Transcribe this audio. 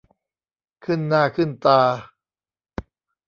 ขึ้นหน้าขึ้นตา